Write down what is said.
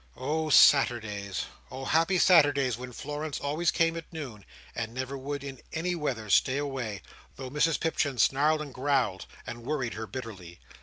Oh Saturdays! Oh happy Saturdays, when Florence always came at noon, and never would, in any weather, stay away, though Mrs Pipchin snarled and growled, and worried her bitterly.